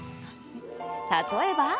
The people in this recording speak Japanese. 例えば？